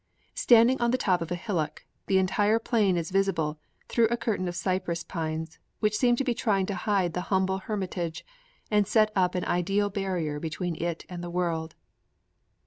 'Standing on the top of a hillock, the entire plain is visible through a curtain of cypresses and pines which seem to be trying to hide the humble hermitage and set up an ideal barrier between it and the world.'